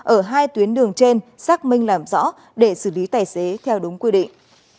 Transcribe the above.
ở hai tuyến đường trên xác minh làm rõ để xử lý tài xế theo đúng quy định